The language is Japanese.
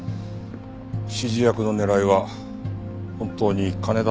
指示役の狙いは本当に金だったのか？